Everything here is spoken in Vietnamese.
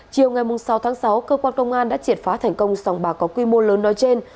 chiều ngày sáu tháng sáu cơ quan công an đã triệt phá thành công sòng bạc có quy mô lớn nói trên